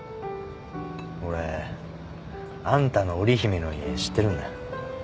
俺あんたの織り姫の家知ってるんだ。